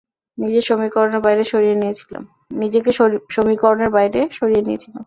নিজেকে সমীকরণের বাইরে সরিয়ে নিয়েছিলাম।